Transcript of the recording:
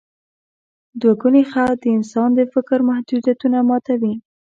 دوګوني خط د انسان د فکر محدودیتونه ماتوي.